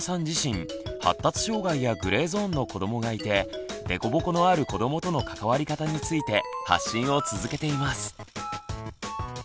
自身発達障害やグレーゾーンの子どもがいて凸凹のある子どもとの関わり方について発信を続けています。